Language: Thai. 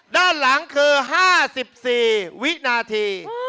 ด้านหลังคือ๕๔วินาที